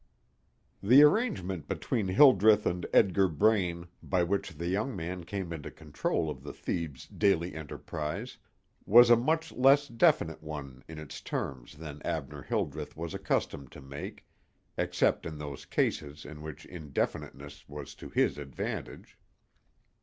V. The arrangement between Hildreth and Edgar Braine, by which the young man came into control of the Thebes Daily Enterprise, was a much less definite one in its terms than Abner Hildreth was accustomed to make, except in those cases in which indefiniteness was to his advantage.